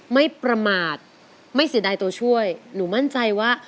ไม่ประมาทไม่เสียดายตัวช่วยหนูมั่นใจว่า